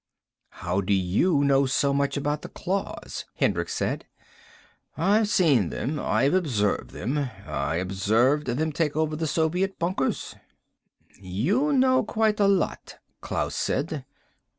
"How do you know so much about the claws?" Hendricks said. "I've seen them. I've observed them. I observed them take over the Soviet bunkers." "You know quite a lot," Klaus said.